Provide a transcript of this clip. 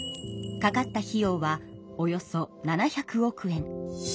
かかった費用はおよそ７００億円。